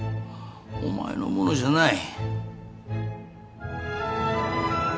お前のものじゃない。